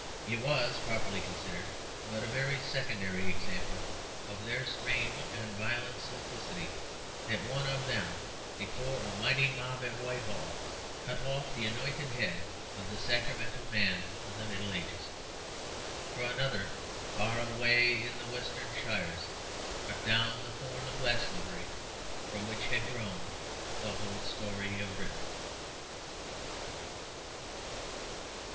It was, properly considered, but a very secondary example of their strange and violent simplicity that one of them, before a mighty mob at Whitehall, cut off the anointed head of the sacramental man of the Middle Ages. For another, far away in the western shires, cut down the thorn of Glastonbury, from which had grown the whole story of Britain.